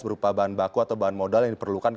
berupa bahan baku atau bahan modal yang diperlukan